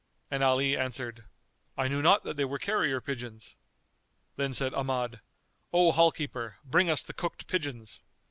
and Ali answered, "I knew not that they were carrier pigeons." Then said Ahmad, "O hall keeper bring us the cooked pigeons."